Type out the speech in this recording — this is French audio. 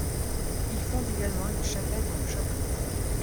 Il fonde également une chapelle dans le château.